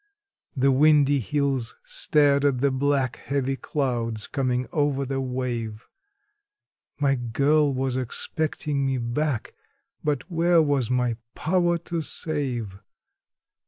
The windy hills stared at the black, heavy clouds coming over the wave; My girl was expecting me back, but where was my power to save?